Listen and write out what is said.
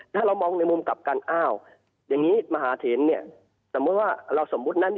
ถ้าเรามองในมุมกับการอ้าวอย่างนี้มหาเทลส